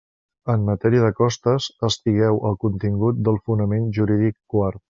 En matèria de costes, estigueu al contingut del fonament jurídic quart.